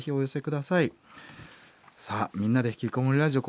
さあ「みんなでひきこもりラジオ」